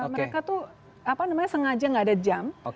mereka tuh apa namanya sengaja gak ada jam